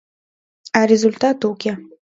А результат уке.